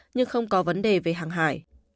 nhưng không có vấn đề về hàng hải